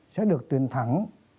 sẽ được tuyển thắng